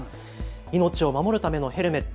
命を守るためのヘルメット。